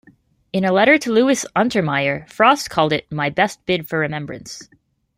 In a letter to Louis Untermeyer, Frost called it "my best bid for remembrance".